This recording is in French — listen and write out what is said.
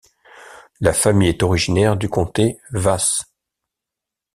La famille est originaire du comté Vas.